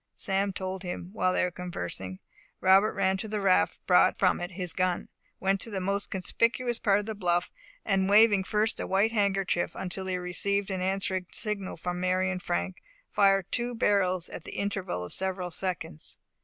Sam told him. While they were conversing, Robert ran to the raft, brought from it his gun, went to the most conspicuous part of the bluff, and waving first a white handkerchief, until he received an answering signal from Mary and Frank, fired the two barrels at the interval of several seconds.